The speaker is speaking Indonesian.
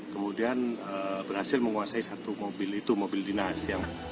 kemudian berhasil menguasai satu mobil itu mobil dinas